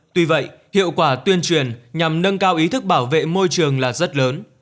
tuy vậy hiệu quả tuyên truyền nhằm nâng cao ý thức bảo vệ môi trường là rất lớn